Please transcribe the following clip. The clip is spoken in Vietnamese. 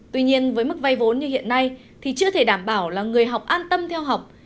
tuy nhiên với mức vay vốn như hiện nay thì chưa thể đảm bảo là người học an tâm theo học